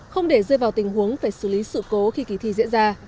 không để rơi vào tình huống phải xử lý sự cố khi kỳ thi diễn ra